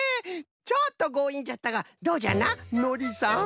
ちょっとごういんじゃったがどうじゃなのりさん？